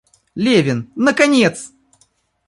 Левин, наконец!